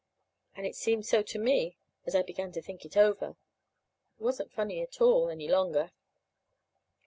And it seemed so to me, as I began to think it over. It wasn't funny at all, any longer.